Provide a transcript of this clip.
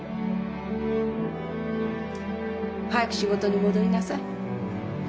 早く仕事に戻りなさい。